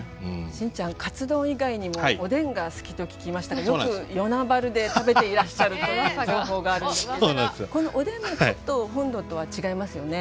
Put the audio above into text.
信ちゃんカツ丼以外にもおでんが好きと聞きましたけどよく与那原で食べていらっしゃるという情報があるんですけどこのおでんもちょっと本土とは違いますよね。